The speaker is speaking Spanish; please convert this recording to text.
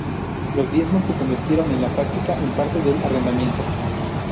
Los diezmos se convirtieron en la práctica en parte del arrendamiento.